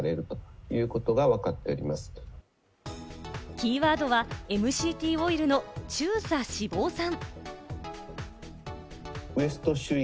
キーワードはＭＣＴオイルの中鎖脂肪酸。